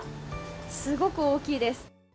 すごく大きいです。